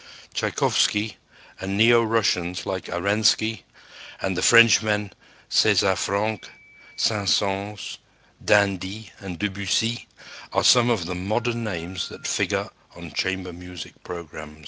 Tschaikowsky and neo Russians like Arensky, and the Frenchmen, César Franck, Saint Saëns, d'Indy and Debussy, are some of the modern names that figure on chamber music programs.